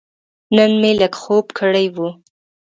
نن مې لږ خوب کړی و.